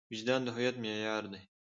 وجدان د هویت معیار دی.